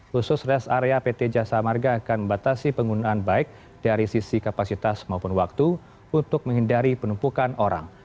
khusus rest area pt jasa marga akan membatasi penggunaan baik dari sisi kapasitas maupun waktu untuk menghindari penumpukan orang